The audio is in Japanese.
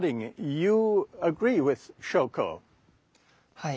はい。